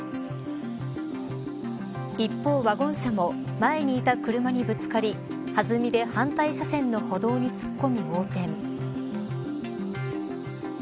一方、ワゴン車も前にいた車にぶつかり弾みで反対車線の歩道に突っ込み横転。